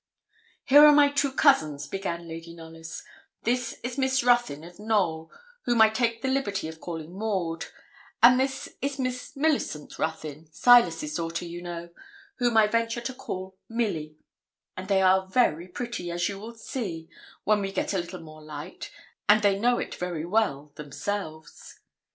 'Here are my two cousins,' began Lady Knollys: 'this is Miss Ruthyn, of Knowl, whom I take the liberty of calling Maud; and this is Miss Millicent Ruthyn, Silas's daughter, you know, whom I venture to call Milly; and they are very pretty, as you will see, when we get a little more light, and they know it very well themselves.'